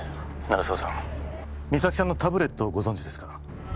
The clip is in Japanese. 鳴沢さん実咲さんのタブレットをご存じですか？